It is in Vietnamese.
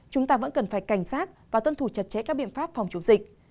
chúng ta vẫn cần phải cảnh sát và tuân thủ chặt chẽ các biện pháp phòng chống dịch